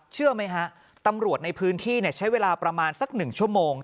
เชื่อไหมฮะตำรวจในพื้นที่ใช้เวลาประมาณสัก๑ชั่วโมง